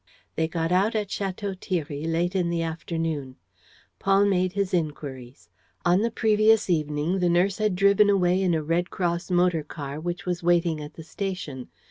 They got out at Château Thierry late in the afternoon. Paul made his inquiries. On the previous evening, the nurse had driven away in a Red Cross motor car which was waiting at the station.